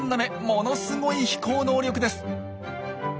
ものすごい飛行能力です。